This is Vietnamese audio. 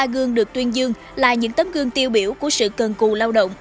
bốn mươi ba gương được tuyên dương là những tấm gương tiêu biểu của sự cân cù lao động